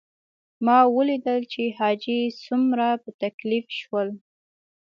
ما ولیدل چې حاجي څومره په تکلیف شول.